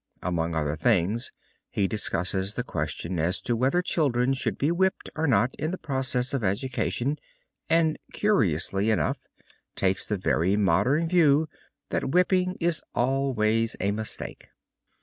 Among other things he discusses the question as to whether children should be whipped or not in the process of education and curiously enough takes the very modern view that whipping is always a mistake.